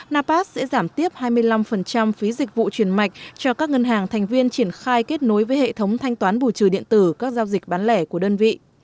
napas sẽ giảm tiếp hai mươi năm phí dịch vụ truyền mạch cho các ngân hàng thành viên triển khai kết nối với hệ thống thanh toán bù trừ điện tử các giao dịch bán lẻ của đơn vị